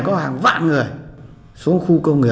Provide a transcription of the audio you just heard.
cho nên nó ảnh hưởng